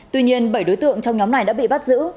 tuy nhiên bảy đối tượng trong nhóm này đã bị bắt giữ